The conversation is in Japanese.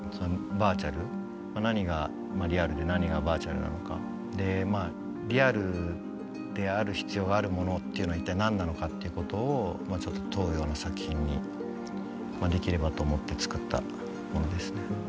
何がリアルで何がバーチャルなのかリアルである必要があるものっていうのは一体何なのかっていうことをちょっと問うような作品にできればと思って作ったものですね。